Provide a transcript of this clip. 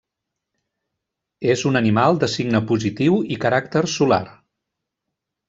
És un animal de signe positiu i caràcter solar.